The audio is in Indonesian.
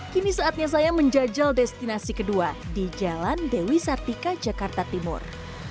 kini saatnya saya menjajal destinasi kedua di jalan dewi satika jakarta timur